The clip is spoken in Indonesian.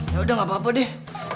yaudah gapapa deh